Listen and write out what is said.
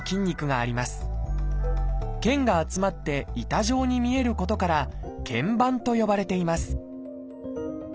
腱が集まって板状に見えることから「腱板」と呼ばれています